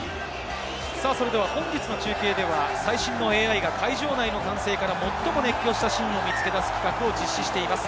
本日の中継では最新のＡＩが会場内の歓声から最も熱狂したシーンを見つけ出す企画を実施しています。